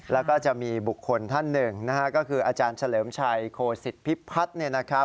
แล้วก็จะมีบุคคลท่านหนึ่งนะฮะก็คืออาจารย์เฉลิมชัยโคสิตพิพัฒน์